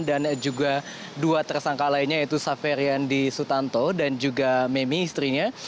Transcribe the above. dan juga dua tersangka lainnya yaitu saferian di sutanto dan juga memi istrinya